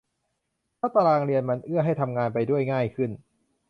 ถ้าตารางเรียนมันเอื้อให้ทำงานไปด้วยง่ายขึ้น